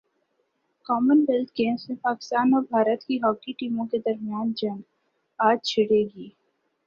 common wealth games میں پاکستان اور بھارت کی ہاکی ٹیموں کے درمیان جنگ اج چھڑے گی